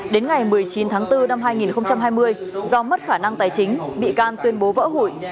đến ngày một mươi chín tháng bốn năm hai nghìn hai mươi do mất khả năng tài chính bị can tuyên bố vỡ hủy